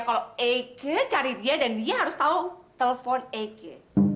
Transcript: kalau eke cari dia dan dia harus tahu telpon eke